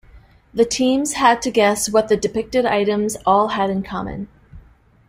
The teams had to guess what the depicted items all had in common.